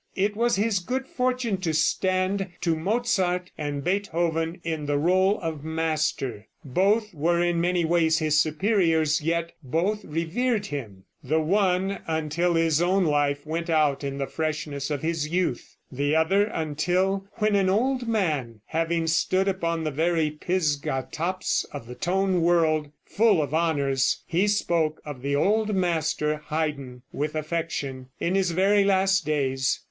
It was his good fortune to stand to Mozart and Beethoven in the rôle of master. Both were in many ways his superiors, yet both revered him, the one until his own life went out in the freshness of his youth; the other until when an old man, having stood upon the very Pisgah tops of the tone world, full of honors, he spoke of the old master, Haydn, with affection, in his very last days.